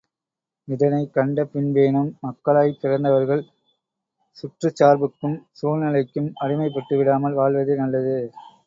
இதனைக் கண்ட பின்பேனும், மக்களாய்ப் பிறந்தவர்கள் சுற்றுச்சார்புக்கும் சூழ்நிலைக்கும் அடிமைப்பட்டு விடாமல் வாழ்வதே நல்லது.